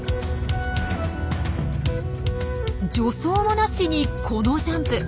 助走もなしにこのジャンプ！